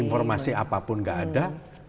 informasi apapun enggak ada